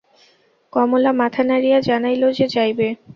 কমলা মাথা নাড়িয়া জানাইল যে, যাইবে।